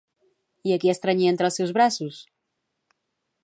I a qui estrenyia entre els seus braços?